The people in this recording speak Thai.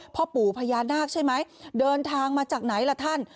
พ่อปู่พญานาคใช่ไหมเดินทางมาจากไหนล่ะท่าน